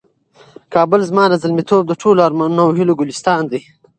کابل زما د زلمیتوب د ټولو ارمانونو او هیلو ګلستان دی.